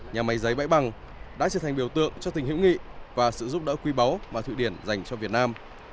nhà máy giấy bãi bằng đã trở thành biểu tượng cho tình hữu nghị và sự giúp đỡ quý báu mà thụy điển dành cho việt nam